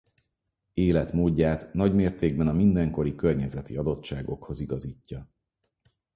Életmódját nagymértékben a mindenkori környezeti adottságokhoz igazítja.